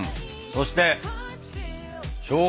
そしてしょうが！